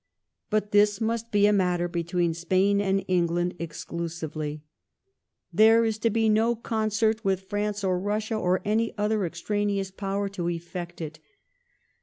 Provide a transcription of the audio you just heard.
But this must be a matter between Spain and England exclusively; There is to be no concert with France or Russia or any other extraneous Power to effect it.